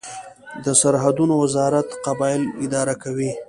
د سرحدونو وزارت قبایل اداره کوي